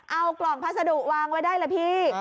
เอากล่องพัสดุวางไว้ได้ล่ะพี่